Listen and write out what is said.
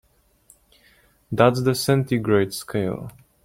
That's the centigrade scale.